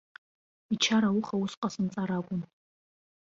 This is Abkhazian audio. Ичара ауха ус ҟасымҵар акәын.